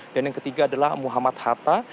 dan yang ketiga adalah muhammad hatta